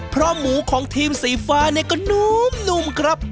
เพราะหมูของทีมสีฟ้าเนี่ยก็นุ่มครับ